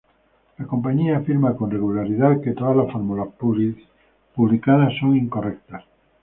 La compañía afirma con regularidad que todas las fórmulas publicadas son incorrectas.